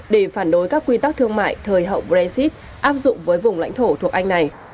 để phản đối các quy tắc thương mại thời hậu brexit áp dụng với vùng lãnh thổ thuộc anh này